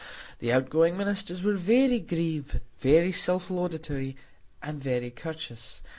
The outgoing ministers were very grave, very self laudatory, and very courteous.